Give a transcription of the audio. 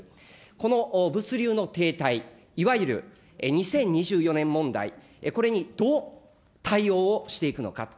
この物流の停滞、いわゆる２０２４年問題、これにどう対応をしていくのか。